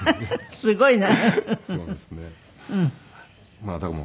すごいな。